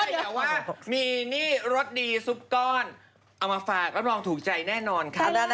อย่าว่ามีรสดีซุปก้อนเอามาฝากมองถูกใจแน่นอนค่ะ